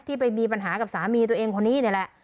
ไปมีปัญหากับสามีตัวเองคนนี้นี่แหละ